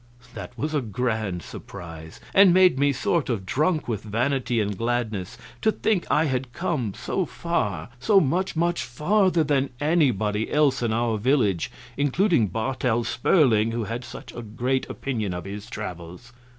That was a grand surprise, and made me sort of drunk with vanity and gladness to think I had come so far so much, much farther than anybody else in our village, including Bartel Sperling, who had such a great opinion of his travels.